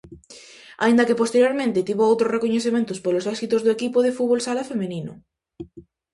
Aínda que posteriormente tivo outros recoñecementos polos éxitos do equipo de fútbol sala feminino.